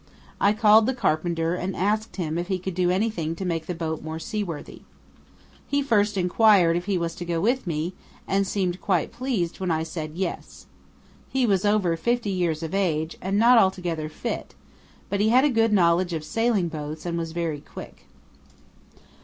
I called the carpenter and asked him if he could do anything to make the boat more seaworthy. He first inquired if he was to go with me, and seemed quite pleased when I said "Yes." He was over fifty years of age and not altogether fit, but he had a good knowledge of sailing boats and was very quick.